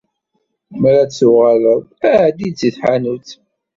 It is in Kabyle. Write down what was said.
Mi ara d-tuɣaleḍ, ɛeddi-d si tḥanut.